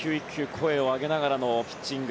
声を上げながらのピッチング。